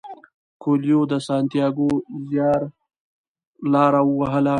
کویلیو د سانتیاګو زیارلاره ووهله.